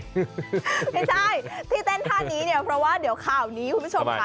ไม่ใช่ที่เต้นท่านี้เนี่ยเพราะว่าเดี๋ยวข่าวนี้คุณผู้ชมค่ะ